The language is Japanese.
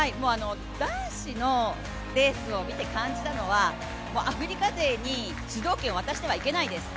男子のレースを見て感じたのはアフリカ勢に主導権を渡してはいけないです。